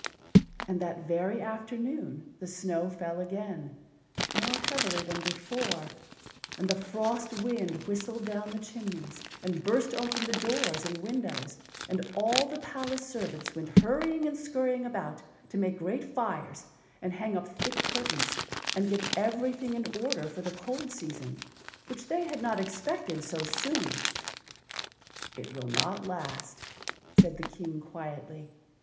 And that very afternoon the snow fell again, more heavily than before, and the frost wind whistled down the chimneys and burst open the doors and windows, and all the palace servants went hurrying and scurrying about to make great fires and hang up thick curtains and get everything in order for the cold season, which they had not expected so soon. "It will not last," said the King, quietly.